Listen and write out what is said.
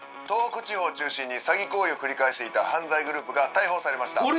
東北地方を中心に詐欺行為を繰り返していた犯罪グループが逮捕されました。